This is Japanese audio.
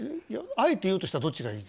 あえて言うとしたらどっちがいい？